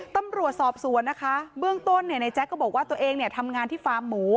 ตำรวจสอบสวนนะคะเบื้องต้นเนี่ยในแจ๊กก็บอกว่าตัวเองเนี่ยทำงานที่ฟาร์มหมู